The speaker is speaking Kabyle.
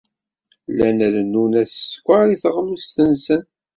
Llan rennun-as sskeṛ i teɣlust-nsen.